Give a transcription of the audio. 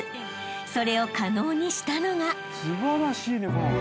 ［それを可能にしたのが］